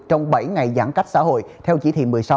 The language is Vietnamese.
trong bảy ngày giãn cách xã hội theo chỉ thị một mươi sáu